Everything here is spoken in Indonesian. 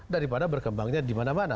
daripada berkembangnya di mana mana